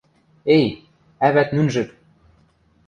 Эй, ӓвӓт нӱнжӹк!